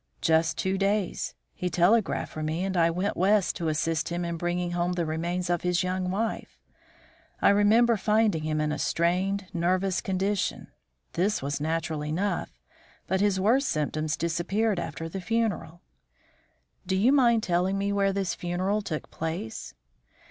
"Just two days. He telegraphed for me, and I went West to assist him in bringing home the remains of his young wife. I remember finding him in a strained, nervous condition; this was natural enough; but his worst symptoms disappeared after the funeral." "Do you mind telling me where this funeral took place?"